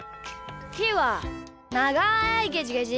ひーはながいゲジゲジ。